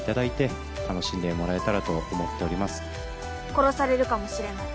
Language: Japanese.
「殺されるかもしれない」